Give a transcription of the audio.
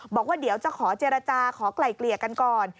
บอกว่าเดี๋ยวจะขอเจรจาขอไกล่เกลี่ยกันก่อน